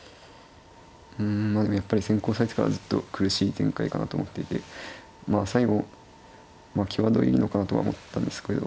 うんまあでもやっぱり先攻されてからずっと苦しい展開かなと思っていてまあ最後際どいのかなとは思ったんですけど